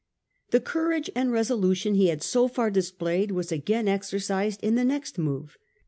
The courage and resolution he had so far displayed were again exercised in the next move.